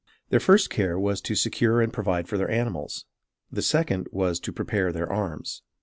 Their first care was to secure and provide for their animals. The second was to prepare their arms.